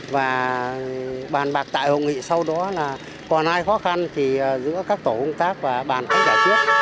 và bàn bạc tại hội nghị sau đó là còn ai khó khăn thì giữa các tổ công tác và bàn cũng giải quyết